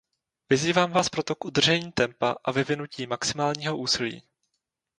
Vyzývám vás proto k udržení tempa a vyvinutí maximálního úsilí.